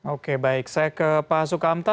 oke baik saya ke pak sukamta